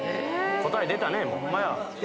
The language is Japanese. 答え出たね。